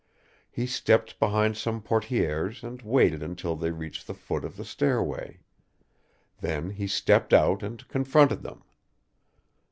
He stepped behind some portières and waited until they reached the foot of the stairway. Then he stepped out and confronted them.